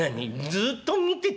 「ずっと見てたよ。